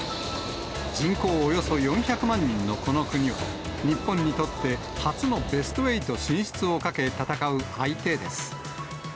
人口およそ４００万人のこの国は、日本にとって初のベスト８進出をかけ、戦う相手です。